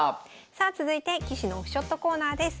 さあ続いて棋士のオフショットコーナーです。